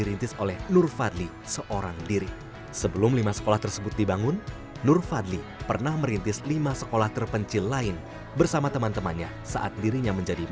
kami selaku di daerah terpencil ini sesungguhnya hati kecil kami juga pengen yang namanya alat peragam